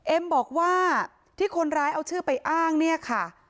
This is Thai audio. เอ็มบอกว่าที่คนร้ายเอาชื่อไปอ้างเนี่ยค่ะ